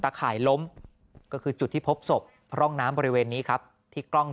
ข่ายล้มก็คือจุดที่พบศพร่องน้ำบริเวณนี้ครับที่กล้อง